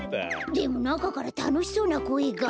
でもなかからたのしそうなこえが。